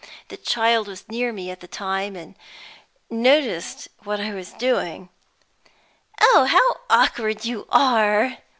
The child was near me at the time, and noticed what I was doing. "Oh, how awkward you are!"